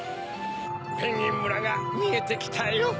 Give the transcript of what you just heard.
ペンギンむらがみえてきたよ。